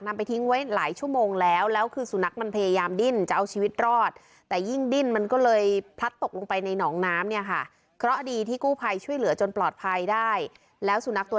นำไปทิ้งไว้หลายชั่วโมงแล้ว